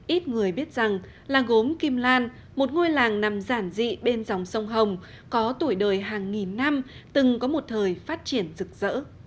ít người biết rằng làng gốm kim lan một ngôi làng nằm giản dị bên dòng sông hồng có tuổi đời hàng nghìn năm từng có một thời phát triển rực rỡ